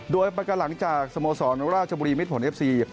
โดยประกันหลังจากสโมสรราชบุรีมิดผลเอฟซี